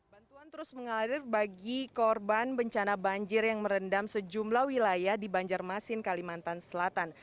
bantuan terus mengalir bagi korban bencana banjir yang merendam sejumlah wilayah di banjarmasin kalimantan selatan